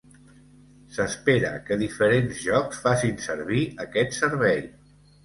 S'espera que diferents jocs facin servir aquest servei.